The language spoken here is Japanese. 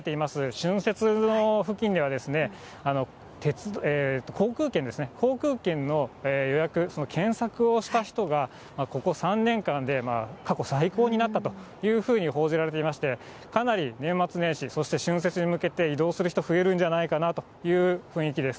春節の付近では航空券の予約、その検索をした人が、ここ３年間で過去最高になったというふうに報じられていまして、かなり年末年始、そして春節に向けて移動する人、増えるんじゃないかなという雰囲気です。